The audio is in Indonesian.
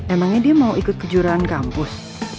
emangnya dia mau ikut kejuaraan kampus